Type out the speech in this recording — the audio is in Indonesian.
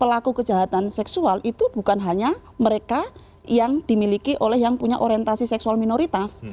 pelaku kejahatan seksual itu bukan hanya mereka yang dimiliki oleh yang punya orientasi seksual minoritas